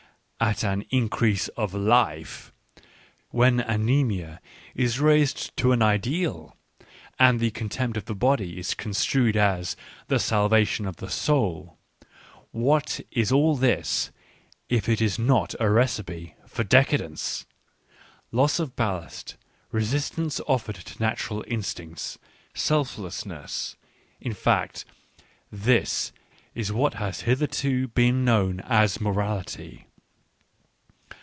at an increase of life ; when anaemia is raised to an ideal and the contempt of the body is construed as " the salvation of the soul," what is all this if it is not a recipe for decadence ? Loss of ballast, resistance Digitized by Google WHY I WRITE SUCH EXCELLENT BOOKS 95 offered to natural instincts, selflessness, in fact — this is what has hitherto been known as morality.